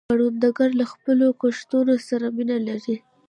کروندګر له خپلو کښتونو سره مینه لري